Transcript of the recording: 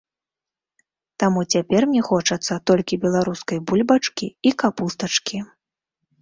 Таму цяпер мне хочацца толькі беларускай бульбачкі і капустачкі.